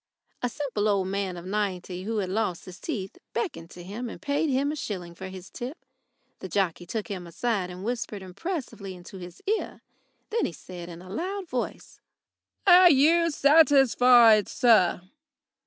A simple old man of ninety, who had lost his teeth, beckoned to him and paid him a shilling for his tip. The jockey took him aside and whispered impressively into his ear. Then he said, in a loud voice: "Are you satisfied, sir?"